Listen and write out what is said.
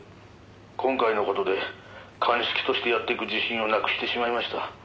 「今回の事で鑑識としてやっていく自信をなくしてしまいました」